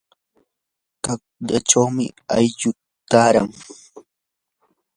qallqachawmi aylluu taaran.